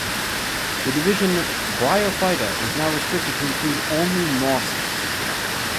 The division Bryophyta is now restricted to include only mosses.